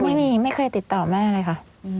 ไม่เคยติดต่อแม่เลยค่ะ